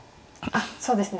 あっそうですね。